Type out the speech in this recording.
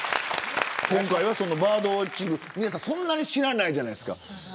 今回はバードウオッチング皆さん、そんなに知らないじゃないですか。